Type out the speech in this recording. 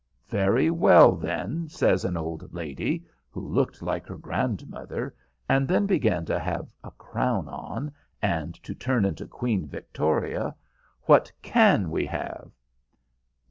"Very well, then," says an old lady, who looked like her grandmother, and then began to have a crown on, and to turn into Queen Victoria, "what can we have?"